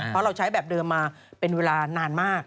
เพราะเราใช้แบบเดิมมาเป็นเวลานานมาก